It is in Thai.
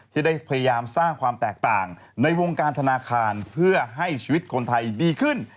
ที่ได้พยายามสร้างความแตกต่างในวงการธนาคารเพื่อให้ชีวิตคนไทยดีขึ้น